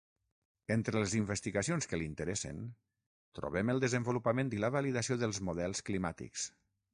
Entre les investigacions que l'interessen, trobem el desenvolupament i la validació dels models climàtics.